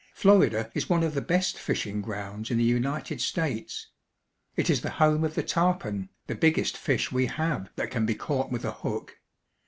Florida is one of the best fishing grounds in the United States. It is the home of the tarpon, the biggest fish we have that can be caught with a hook.